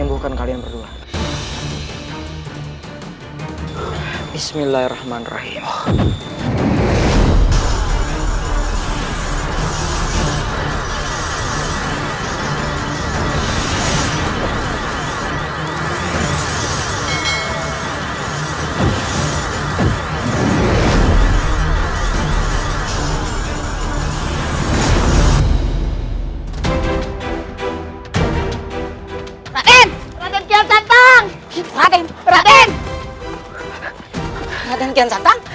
raden kian santang